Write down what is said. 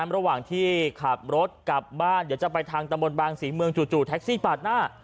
ระหว่างที่ขับรถกลับบ้านเดี๋ยวจะไปทางตำบลบางศรีเมืองจู่แท็กซี่ปาดหน้า